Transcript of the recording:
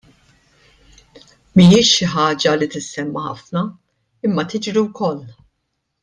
Mhijiex xi ħaġa li tissemma ħafna imma tiġri wkoll.